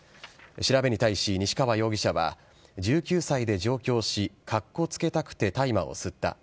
調べに対し、西川容疑者は１９歳で上京しかっこつけたくて大麻を吸った。